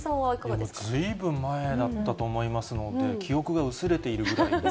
ずいぶん前だったと思いますので、記憶が薄れているぐらいです。